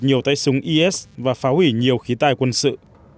nhiều tay súng is và phá hủy nhiều khí tài quân sự